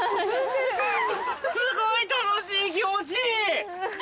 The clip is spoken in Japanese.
すごい楽しい気持ちいい！